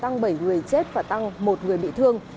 tăng bảy người chết và tăng một người bị thương